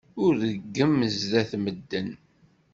Ur reggem sdat medden.